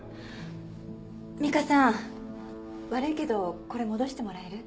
ミカさん悪いけどこれ戻してもらえる？